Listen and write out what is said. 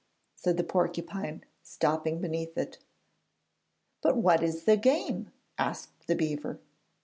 said the porcupine, stopping beneath it. 'But what is the game?' asked the beaver.